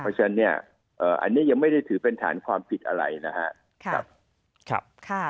เพราะฉะนั้นเนี่ยอันนี้ยังไม่ได้ถือเป็นฐานความผิดอะไรนะครับ